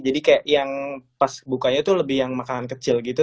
jadi kayak yang pas bukanya tuh lebih yang makanan kecil gitu